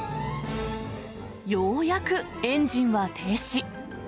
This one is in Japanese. ようやくエンジンは停止。